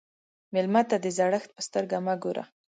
مېلمه ته د زړښت په سترګه مه ګوره.